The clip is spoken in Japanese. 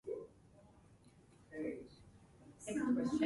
隊員達は記録でしかこの町のことを知らなかった。